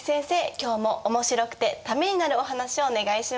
今日もおもしろくてためになるお話をお願いします。